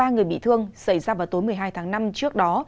ba người bị thương xảy ra vào tối một mươi hai tháng năm trước đó